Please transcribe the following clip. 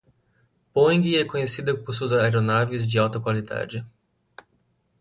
Boeing é conhecida por suas aeronaves de alta qualidade.